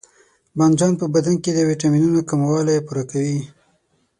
بانجان په بدن کې د ویټامینونو کموالی پوره کوي.